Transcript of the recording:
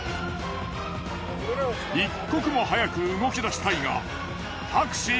一刻も早く動き出したいが。